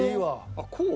あっこう？